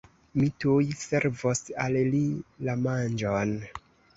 Mi tuj servos al li la manĝon.